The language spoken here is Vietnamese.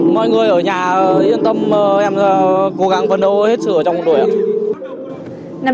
mọi người ở nhà yên tâm em cố gắng vận đấu hết sửa trong cuộc đời ạ